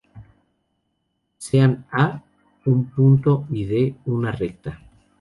Sean "A" un punto y "D" una recta.